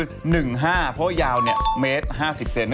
เพราะยาวเนี่ยเมตร๕๐เซนต์